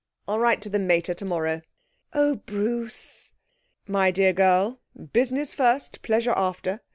I'll write to the mater tomorrow.' 'Oh, Bruce!' 'My dear girl, business first, pleasure after.